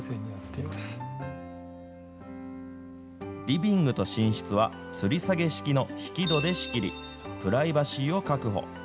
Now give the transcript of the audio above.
リビングと寝室は、つり下げ式の引き戸で仕切り、プライバシーを確保。